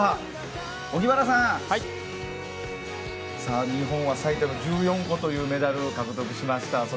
荻原さん日本は最多の１４個というメダルを獲得しました。